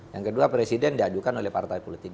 yang kedua presiden diajukan oleh partai politik